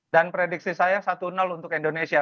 dan prediksi saya satu untuk indonesia